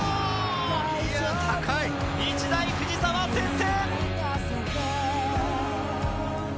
日大藤沢先制！